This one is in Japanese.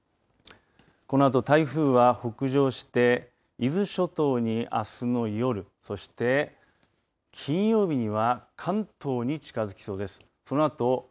このあと台風は北上して伊豆諸島に、あすの夜そして、金曜日には関東に近づきそうです。